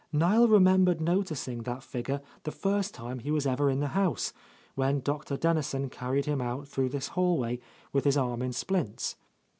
Niel remembered noticing that figure the first time he was ever in the house, when Dr. Dennison carried him out through this hallway with his arm in splints.